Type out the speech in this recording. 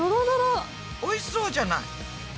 おいしそうじゃない。